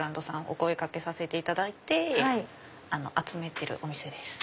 お声掛けさせていただいて集めてるお店です。